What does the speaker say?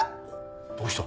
どうした？